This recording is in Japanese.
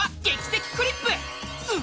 「劇的クリップ」！